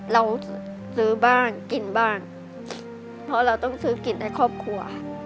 เราซื้อบ้างกินบ้างเพราะเราต้องซื้อกินให้ครอบครัว